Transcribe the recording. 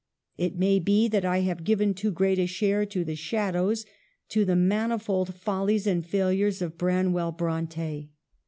It may be that I have given too great a share to the shadows, to the manifold follies and failures of Bran well Bronte.